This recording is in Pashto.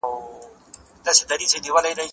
ايا ته پاکوالی کوې!.